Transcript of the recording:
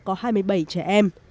có hai mươi bảy trẻ em